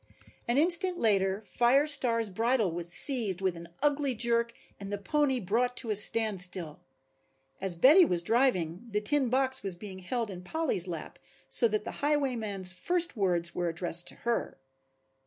An instant later Fire Star's bridle was seized with an ugly jerk and the pony brought to a standstill. As Betty was driving, the tin box was being held in Polly's lap so that the highwayman's first words were addressed to her.